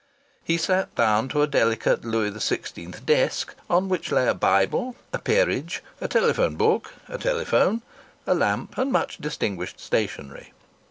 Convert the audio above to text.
He sat down to a delicate Louis XVI. desk, on which lay a Bible, a Peerage, a telephone book, a telephone, a lamp and much distinguished stationery.